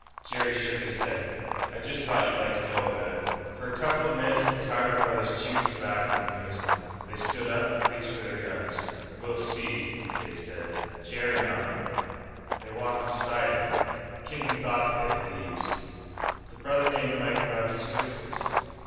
Jerry shook his head. "I just thought you'd like to know about it." For a couple of minutes the Carver brothers chewed tobacco in unison. They stood up, reached for their guns. "We'll see," they said. Jerry nodded. They walked beside him, kicking thoughtfully at the leaves. The brother named Mike rubbed his whiskers.